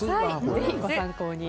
ぜひ、ご参考に。